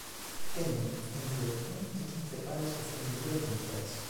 Teñen entre un e quince pares de fendeduras branquiais.